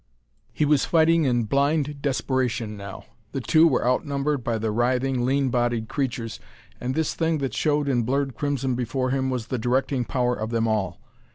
He was fighting in blind desperation now; the two were out numbered by the writhing, lean bodied creatures, and this thing that showed in blurred crimson before him was the directing power of them all.